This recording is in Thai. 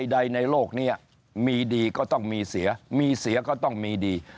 ใดในโลกนี้มีดีก็ต้องมีเสียมีเสียก็ต้องมีดี